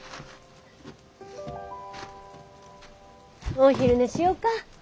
お昼寝しよか。